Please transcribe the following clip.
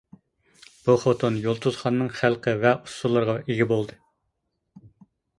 بۇ خوتۇن يۇلتۇز خاننىڭ خەلقى ۋە ئۇسۇللىرىغا ئىگە بولدى.